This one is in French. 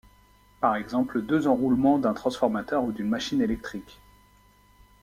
Par exemple deux enroulements d'un transformateur ou d'une machine électrique.